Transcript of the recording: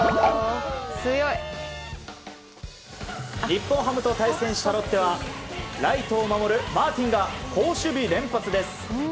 日本ハムと対戦したロッテはライトを守るマーティンが好守備連発です。